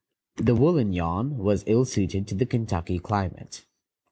The woolen yarn was ill suited to the Kentucky climate.